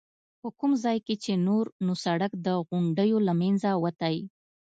په کوم ځای کې چې نور نو سړک د غونډیو له منځه وتی.